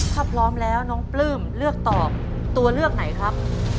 ถ้าพร้อมแล้วน้องปลื้มเลือกตอบตัวเลือกไหนครับ